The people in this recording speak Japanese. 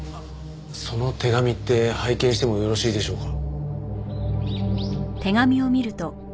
その手紙って拝見してもよろしいでしょうか？